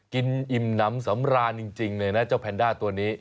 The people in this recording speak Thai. อิ่มน้ำสำราญจริงเลยนะเจ้าแพนด้าตัวนี้